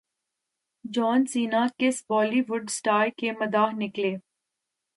جان Cena کس Bollywood star کے مداح نکلے